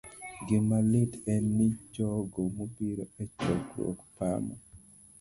Gima lit en ni jogo mobiro e chokruok pamo